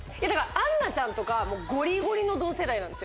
アンナちゃんとかゴリゴリの同世代なんですよ。